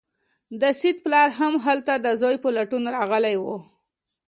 د سید پلار هم هلته د زوی په لټون راغلی و.